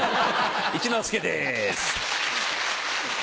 一之輔です。